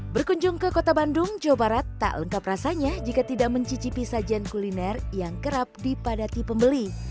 berkunjung ke kota bandung jawa barat tak lengkap rasanya jika tidak mencicipi sajian kuliner yang kerap dipadati pembeli